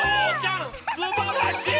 すばらしい！